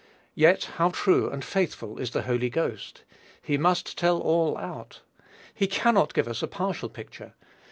Yet how true and faithful is the Holy Ghost! He must tell all out. He cannot give us a partial picture.